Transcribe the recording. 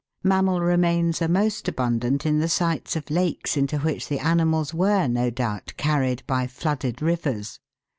Mammal remains are most abundant in the sites of lakes into which the animals were, no doubt, carried by flooded rivers.